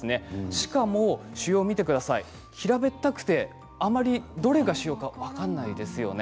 しかも腫瘍は平べったくてあまりどれが腫瘍か分からないですよね。